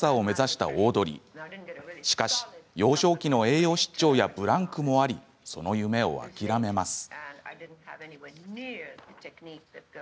しかし、幼少期の栄養失調やブランクもありその夢を諦めます。